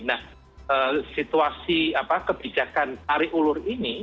nah situasi kebijakan tarik ulur ini